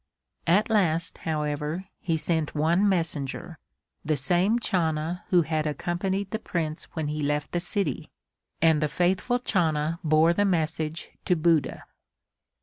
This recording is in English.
At last, however, he sent one messenger, the same Channa who had accompanied the Prince when he left the city, and the faithful Channa bore the message to Buddha.